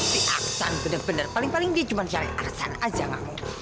si aksan bener bener paling paling dia cuma cewek arsan aja gak mau